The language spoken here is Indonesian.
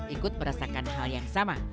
ikut merasakan hal yang sama